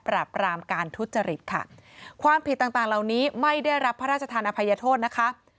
ปรามการทุจริตค่ะความผิดต่างต่างเหล่านี้ไม่ได้รับพระราชธานอภัยโทษนะคะ